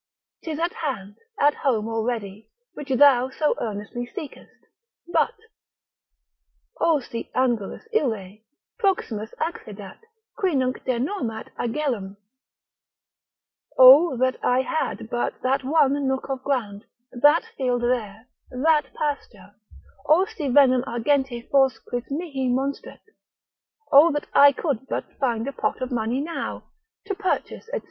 'Tis at hand, at home already, which thou so earnestly seekest. But ———O si angulus ille Proximus accedat, qui nunc denormat agellum, O that I had but that one nook of ground, that field there, that pasture, O si venam argenti fors quis mihi monstret—. O that I could but find a pot of money now, to purchase, &c.